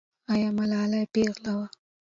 آیا ملالۍ پېغله وه؟